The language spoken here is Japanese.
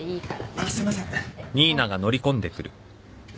あっすいません。